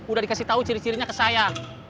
udah dikasih tahu ciri cirinya ke saya